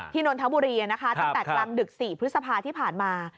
นนทบุรีนะคะตั้งแต่กลางดึก๔พฤษภาที่ผ่านมา